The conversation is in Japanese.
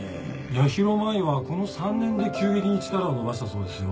八尋舞はこの３年で急激に力を伸ばしたそうですよ。